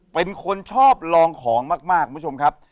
เป็นคนชอบลองของมากคุณผู้ชมครับ